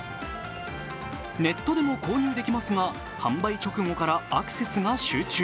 ネットでも購入できますが、販売直後からアクセスが集中。